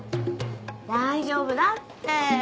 大丈夫だって！